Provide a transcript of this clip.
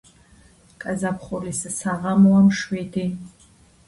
Გაზაფხულის საღამოა მშვიდი...